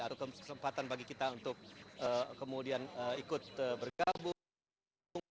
ada kesempatan bagi kita untuk kemudian ikut bergabung